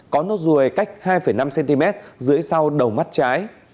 có nốt ruồi cách hai năm cm dưới sau đầu mắt trái